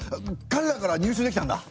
かれらから入手できたんだ！